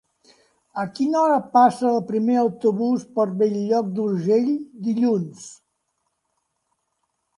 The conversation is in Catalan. A quina hora passa el primer autobús per Bell-lloc d'Urgell dilluns?